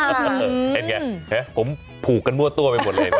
เห็นไงผมผูกกันมั่วตัวไปหมดเลยนะ